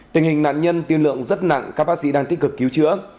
tình hình nạn nhân tiên lượng rất nặng các bác sĩ đang tích cực cứu chữa